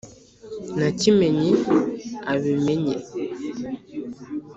Na Kimenyi abimenye